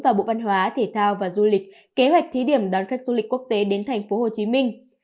và bộ văn hóa thể thao và du lịch kế hoạch thí điểm đón khách du lịch quốc tế đến thành phố hồ chí minh